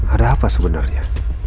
ada apa sebenarnya